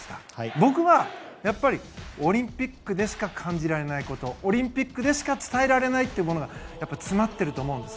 僕はオリンピックでしか感じられないことオリンピックでしか伝えられないものが詰まっていると思うんです。